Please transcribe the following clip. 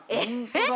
えっ